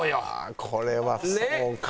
これはそうか。